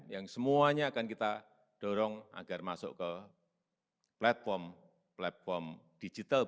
yang semuanya akan kita dorong agar masuk ke platform digital